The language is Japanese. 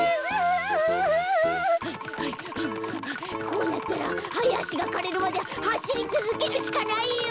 こうなったらハヤアシがかれるまではしりつづけるしかないよ！